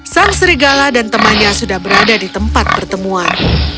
sang serigala dan temannya sudah berada di tempat pertemuan